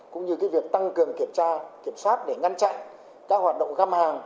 cũng như việc tăng cường kiểm tra kiểm soát để ngăn chặn các hoạt động găm hàng